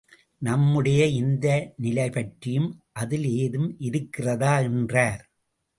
நம்முடைய இந்த நிலைபற்றியும் அதில் ஏதும் இருக்கிறதா? என்றார்.